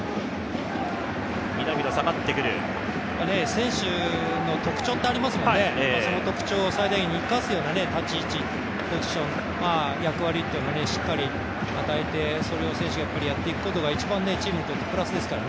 選手の特徴ってありますもんね、その特徴を最大限に生かすような立ち位置、ポジション、役割っていうのをしっかり与えてそれを選手がやっていくことが一番チームにとってプラスですから。